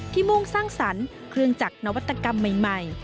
มุ่งสร้างสรรค์เครื่องจักรนวัตกรรมใหม่